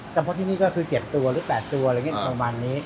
เฉพาะที่นี่ก็คือ๗ตัวหรือ๘ตัวอะไรอย่างนี้ประมาณนี้